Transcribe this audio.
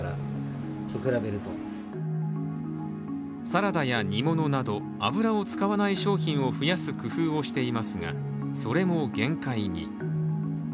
サラダや煮物など、油を使わない商品を増やす工夫をしていますが、それも限界に。